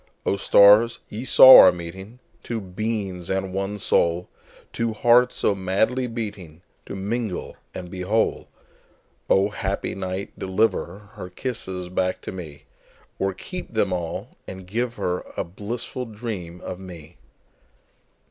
O, stars, ye saw our meeting, Two beings and one soul, Two hearts so madly beatingTo mingle and be whole!O, happy night, deliverHer kisses back to me, Or keep them all, and give herA blissful dream of me!